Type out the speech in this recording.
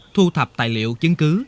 thu thập tài liệu chứng cứ